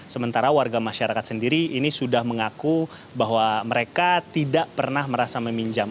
sementara warga masyarakat sendiri ini sudah mengaku bahwa mereka tidak pernah merasa meminjam